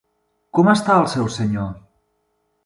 Com està el seu senyor?